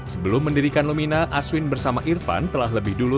sebelum mendirikan lumina aswin bersama irfan telah lebih dulu